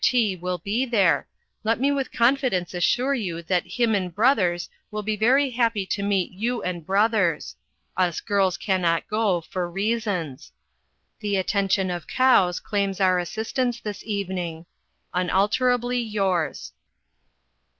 T will be there Let me with confidence assure you that him and brothers will be very happy to meet you and brothers. Us girls cannot go, for reasons. The attention of cows claims our assistance this evening. "Unalterably yours."